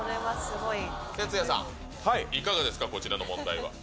鉄矢さん、いかがですか、こちらの問題は。